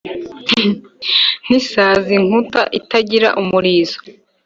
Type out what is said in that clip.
nkisazi kunka itagira umurizo"